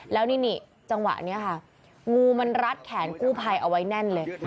แล้วนี่จังหวะนี้ค่ะงูมันรัดแขนกู้ภัยเอาไว้แน่นเลย